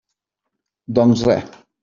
Doncs res.